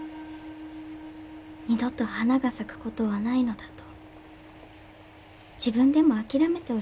二度と花が咲く事はないのだと自分でも諦めておりました。